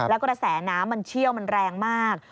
แล้วกระแสน้ำมันเชี่ยวมันแรงมาก